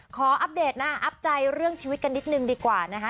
อัปเดตนะอัพใจเรื่องชีวิตกันนิดนึงดีกว่านะคะ